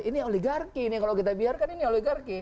ini oligarki nih kalau kita biarkan ini oligarki